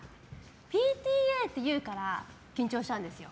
ＰＴＡっていうから緊張しちゃうんですよ。